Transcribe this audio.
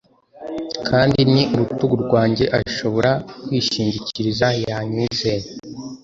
kandi ni urutugu rwanjye ashobora kwishingikiriza yanyizeye